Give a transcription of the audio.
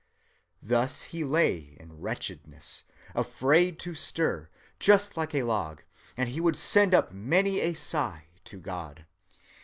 Thus he lay in wretchedness, afraid to stir, just like a log, and he would send up many a sigh to God.